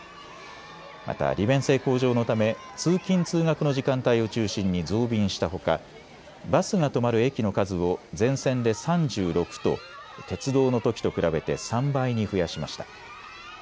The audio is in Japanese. また利便性向上のため通勤通学の時間帯を中心に増便したほかバスが止まる駅の数を全線で３６と鉄道のときと比べて３倍に増やしました。